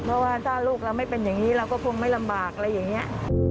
เพราะว่าถ้าลูกเราไม่เป็นอย่างนี้เราก็คงไม่ลำบากอะไรอย่างนี้